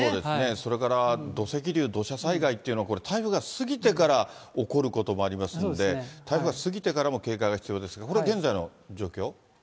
それから土石流、土砂災害っていうのは台風が過ぎてから起こることもありますんで、台風が過ぎてからも警戒が必要ですが、これ現在の状況？